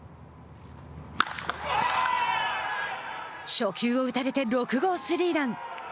初球を打たれて６号スリーラン。